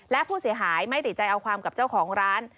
และผู้เสียหายไม่ติดใจเอาความกับเจ้าของร้าน